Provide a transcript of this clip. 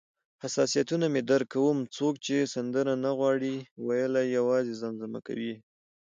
حساسیتونه مې درک کوم، څوک چې سندره نه غواړي ویلای، یوازې زمزمه کوي یې.